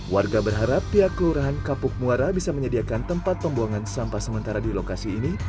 warga berharap pihak kelurahan kapuk muara bisa menyediakan tempat pembuangan sampah sementara di lokasi ini